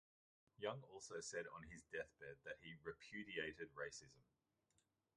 Young also said on his deathbed that he had repudiated racism.